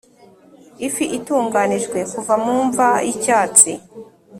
ifi itunganijwe kuva mu mva y'icyatsi